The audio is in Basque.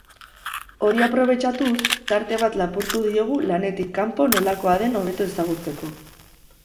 Hori aprobetxatuz, tarte bat lapurtu diogu lanetik kanpo nolakoa den hobeto ezagutzeko.